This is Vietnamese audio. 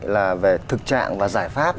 là về thực trạng và giải pháp